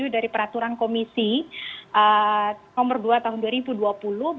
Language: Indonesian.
dari peraturan komisi nomor dua tahun dua ribu dua puluh